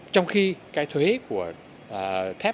trong khi cái thuế của thép